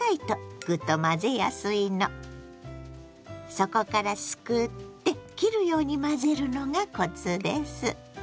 底からすくって切るように混ぜるのがコツです。